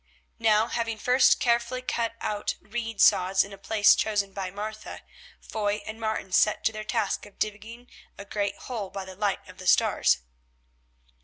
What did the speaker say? Now, having first carefully cut out reed sods in a place chosen by Martha, Foy and Martin set to their task of digging a great hole by the light of the stars.